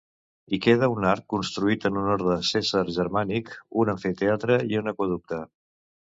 Hi queda un arc construït en honor de Cèsar Germànic, un amfiteatre i un aqüeducte.